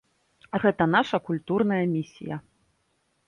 Гэта наша культурная місія.